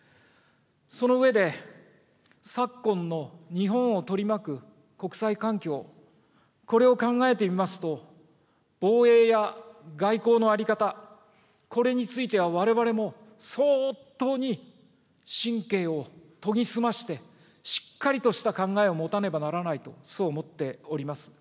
その上で、昨今の日本を取り巻く国際環境、これを考えてみますと、防衛や外交の在り方、これについてはわれわれも相当に神経を研ぎ澄まして、しっかりとした考えを持たねばならないと、そう思っております。